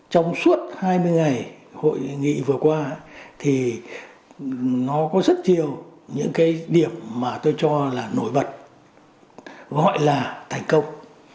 trong suốt hai mươi ngày hội nghị vừa qua thì nó có rất nhiều những cái điểm mà tôi cho là nổi bật gọi là thành công